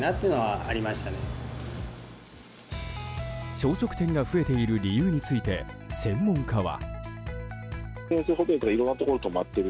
朝食店が増えている理由について専門家は。